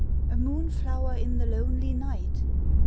A moonflow'r in the lonely night?